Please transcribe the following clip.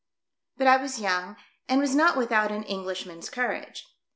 But I was young and was not without an Englishman's courage.